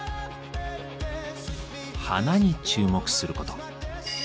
「花」に注目すること。